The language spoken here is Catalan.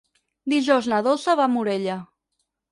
Dijous na Dolça va a Morella.